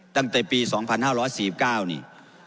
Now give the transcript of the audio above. ตั้งแต่ปี๒๕๔๙นี่